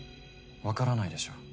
わからないでしょう？